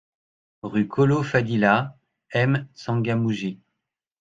Rue Colo Fadila, M'Tsangamouji